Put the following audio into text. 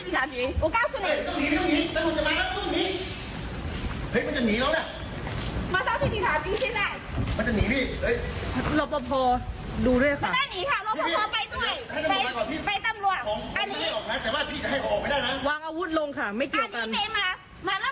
ชาวจีนที่หน้า